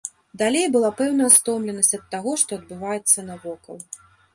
Далей была пэўная стомленасць ад таго, што адбываецца навокал.